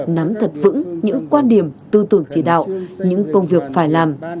nắm thật vững những quan điểm tư tưởng chỉ đạo những công việc phải làm